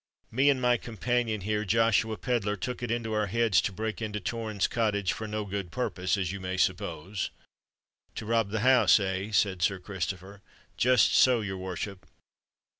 Me and my companion here, Joshua Pedler, took it into our heads to break into Torrens Cottage, for no good purpose, as you may suppose." "To rob the house—eh?" said Sir Christopher. "Just so, your worship.